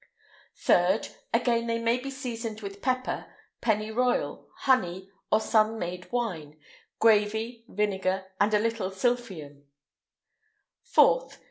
[IX 121] 3rd. Again, they may be seasoned with pepper, pennyroyal, honey, or sun made wine, gravy, vinegar, and a little sylphium.[IX 122] 4th.